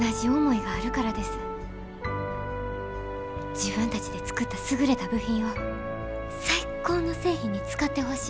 自分たちで作った優れた部品を最高の製品に使ってほしい。